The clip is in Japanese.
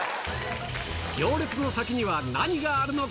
行列の先には何があるのか？